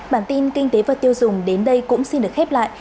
bản tin kinh tế và tiêu dùng đến đây cũng xin được khép lại